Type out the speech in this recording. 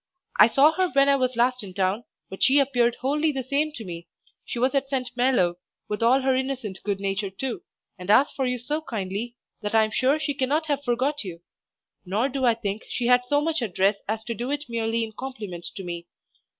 I saw her when I was last in town, but she appear'd wholly the same to me, she was at St. Malo, with all her innocent good nature too, and asked for you so kindly, that I am sure she cannot have forgot you; nor do I think she had so much address as to do it merely in compliment to me.